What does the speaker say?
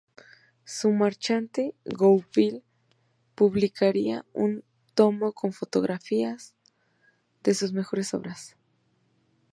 Su marchante Goupil publicaría un tomo con fotografías de sus mejores obras.